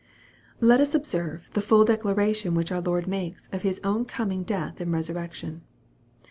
Let us observe the full declaration which our Lord makes of His own coming death and resurrection.